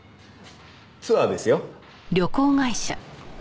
ツアーですよ。